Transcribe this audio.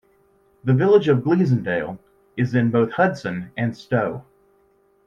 The village of Gleasondale is in both Hudson and Stow.